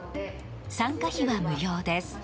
参加費は無料です。